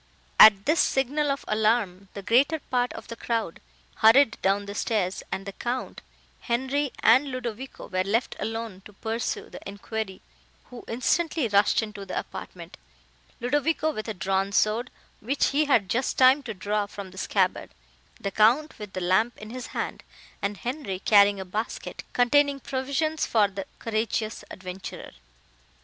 At this signal of alarm, the greater part of the crowd hurried down the stairs, and the Count, Henri and Ludovico were left alone to pursue the enquiry, who instantly rushed into the apartment, Ludovico with a drawn sword, which he had just time to draw from the scabbard, the Count with the lamp in his hand, and Henri carrying a basket, containing provisions for the courageous adventurer.